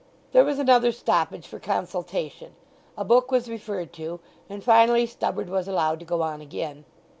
There was another stoppage for consultation, a book was referred to, and finally Stubberd was allowed to go on again.